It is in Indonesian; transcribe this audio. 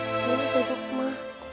tidur duduk ma